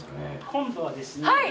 今度はですね